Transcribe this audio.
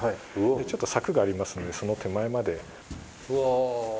ちょっと柵がありますのでその手前まで。